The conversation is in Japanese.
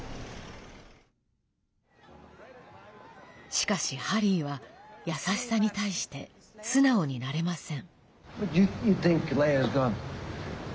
しかし、ハリーは優しさに対して素直になれません。